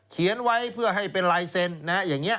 เขียนไว้เพื่อให้เป็นลายเซ็นต์อย่างนี้